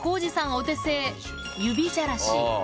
お手製指じゃらし